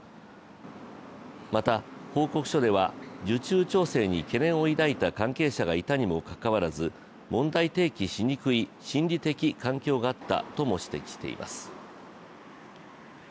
また、報告書では受注調整に懸念を抱いた関係者がいたにもかかわらず、問題提起しにくい心理的環境があったとも指摘しています。